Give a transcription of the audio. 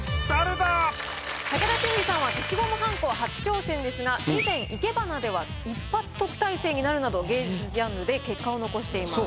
武田真治さんは消しゴムはんこ初挑戦ですが以前いけばなでは一発特待生になるなど芸術ジャンルで結果を残しています。